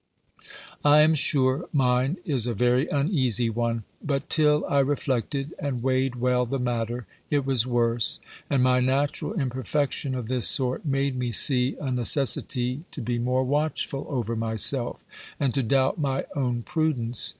I am sure mine is a very uneasy one. But till I reflected, and weighed well the matter, it was worse; and my natural imperfection of this sort made me see a necessity to be more watchful over myself, and to doubt my own prudence.